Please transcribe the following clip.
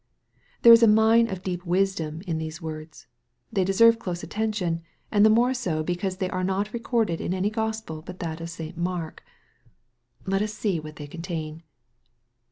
There is a mine of deep wisdom, in those words. They deserve close attention, and the more so because thej are not recorded in any Gospel but that of St. Mark. Let us see what they contain.